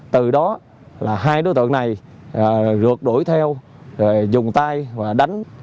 từ đó là hai đối tượng này rượt đuổi theo rồi dùng tay và đánh